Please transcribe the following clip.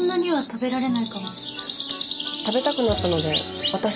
食べたくなったので私の分です。